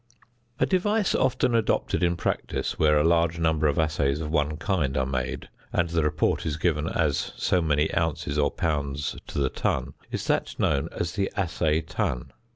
A device often adopted in practice where a large number of assays of one kind are made, and the report is given as so many ounces or pounds to the ton, is that known as the assay ton.